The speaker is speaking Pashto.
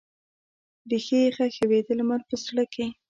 ریښې یې ښخې وي د لمر په زړه کې